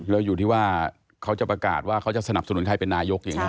แล้วอยู่ที่ว่าเขาจะประกาศว่าเขาจะสนับสนุนใครเป็นนายกอย่างนี้